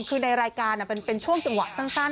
คือในรายการเป็นช่วงจังหวะสั้น